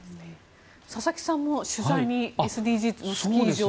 佐々木さんも取材にＳＤＧｓのスキー場を。